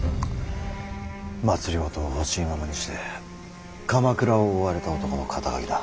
政をほしいままにして鎌倉を追われた男の肩書だ。